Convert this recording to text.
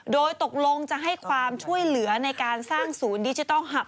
โดยตกลงจะให้ความช่วยเหลือในการสร้างศูนย์ดิจิทัลหับ